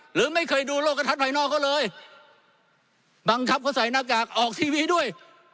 หรือไม่เคยดูโลกกระทัดภายนอกเขาเลยบังคับเขาใส่หน้ากากออกทีวีด้วย